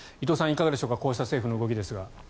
いかがでしょうかこうした政府の動きですが。